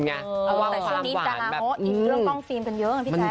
ช่วงนี้ดาราเขาอิกน์ให้และกล้องฟิล์มอยู่เอง